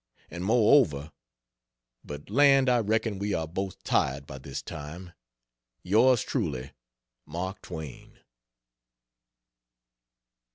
And moreover but land, I reckon we are both tired by this time. Truly Yours, MARK TWAIN.